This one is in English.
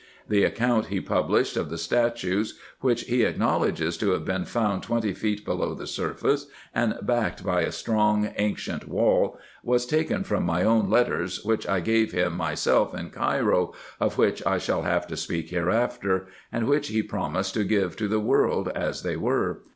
The account he published of the statues, which he acknowledges to have been found twenty feet below the surface, and backed by a strong ancient wall, was taken from my own letters, which I gave him myself in Cairo, of which I shall have to speak hereafter, and which he promised to give to the world as they were.